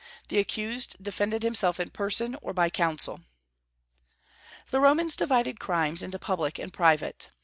The accused defended himself in person or by counsel. The Romans divided crimes into public and private.